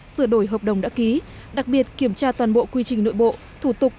sửa đổi hợp đồng đã ký đặc biệt kiểm tra toàn bộ quy trình nội bộ thủ tục